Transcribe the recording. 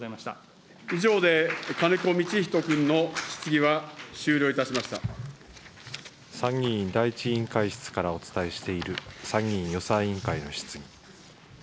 以上で金子道仁君の質疑は終参議院第１委員会室からお伝えしている参議院予算委員会の質疑。